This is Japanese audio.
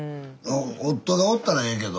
夫がおったらええけど。